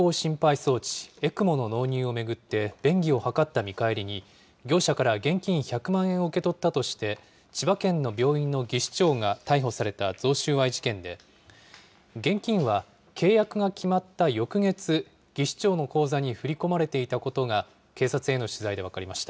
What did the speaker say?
装置・ＥＣＭＯの納入を巡って便宜を図った見返りに、業者から現金１００万円を受け取ったとして、千葉県の病院の技士長が逮捕された贈収賄事件で、現金は契約が決まった翌月、技士長の口座に振り込まれていたことが、警察への取材で分かりました。